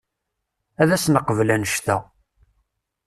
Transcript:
Ad as-neqbel annect-a.